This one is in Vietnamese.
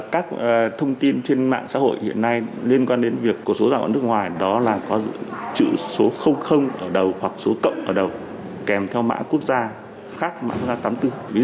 các thông tin trên mạng xã hội hiện nay liên quan đến việc của số giả mạo nước ngoài đó là có chữ số ở đầu hoặc số cộng ở đầu kèm theo mã quốc gia khác mã tám mươi bốn